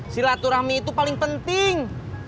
silaturahmi itu paling penting